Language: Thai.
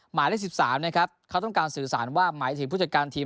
หมายเลข๑๓นะครับเขาต้องการสื่อสารว่าหมายถึงผู้จัดการทีม